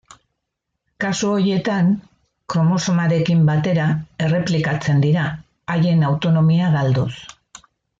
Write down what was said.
Kasu horietan kromosomarekin batera erreplikatzen dira, haien autonomia galduz.